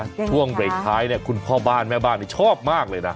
ช่วงเบรกท้ายเนี่ยคุณพ่อบ้านแม่บ้านชอบมากเลยนะ